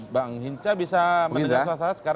bang hinca bisa mendengar suasana sekarang